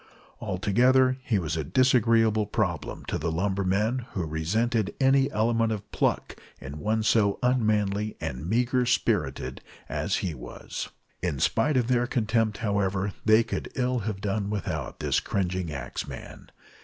Altogether he was a disagreeable problem to the lumbermen, who resented any element of pluck in one so unmanly and meagre spirited as he was. In spite of their contempt, however, they could ill have done without this cringing axeman.